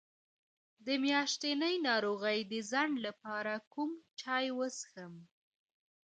د میاشتنۍ ناروغۍ د ځنډ لپاره کوم چای وڅښم؟